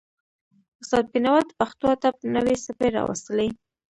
استاد بینوا د پښتو ادب نوې څپې راوستلې.